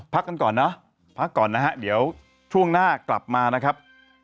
พักกันก่อนนะเดี๋ยวช่วงหน้ากลับมานะครับ